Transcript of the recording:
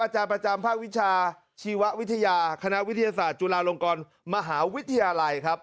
อาจารย์ประจำภาควิชาชีววิทยาคณะวิทยาศาสตร์จุฬาลงกรมหาวิทยาลัยครับ